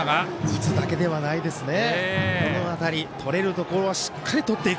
打つだけではないですね。